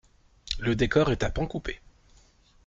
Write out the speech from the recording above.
Le décor est à pans coupés.